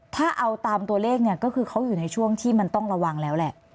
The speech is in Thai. ถ้าเอาตามตัวเลขเนี่ยก็คือเขาอยู่ในช่วงที่มันต้องระวังแล้วแหละ